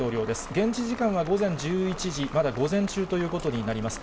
現地時間は午前１１時、まだ午前中ということになります。